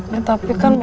ya tapi kan